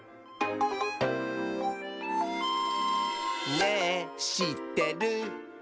「ねぇしってる？」